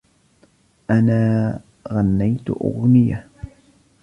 أنا غنيتُ أغنيةً.